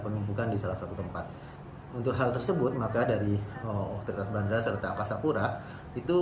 penumpukan di salah satu tempat untuk hal tersebut maka dari otoritas bandara serta sapura itu